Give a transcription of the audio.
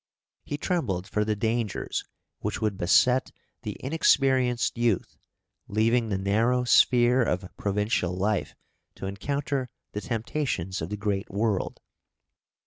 He trembled for the dangers which would beset the inexperienced youth, leaving the narrow sphere of provincial life to encounter the temptations of the great world.